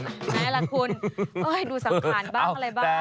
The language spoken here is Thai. ไหนล่ะคุณดูสัมผัสบ้างอะไรบ้าง